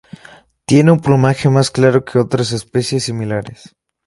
Tiene un plumaje más claro que otras especies similares.